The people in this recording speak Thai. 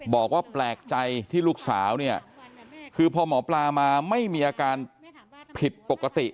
บอกว่าแปลกใจที่ลูกสาวเนี่ยคือพอหมอปลามาไม่มีอาการผิดปกติ